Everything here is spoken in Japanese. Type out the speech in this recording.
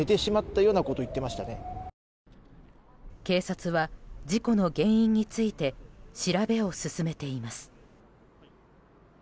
警察は事故の原因について調べを進めています。